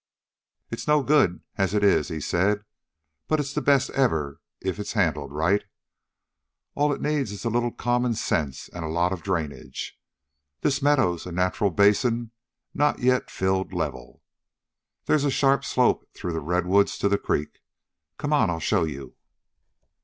"It's no good as it is," he said. "But it's the best ever if it's handled right. All it needs is a little common sense an' a lot of drainage. This meadow's a natural basin not yet filled level. They's a sharp slope through the redwoods to the creek. Come on, I'll show you."